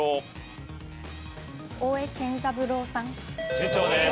順調です。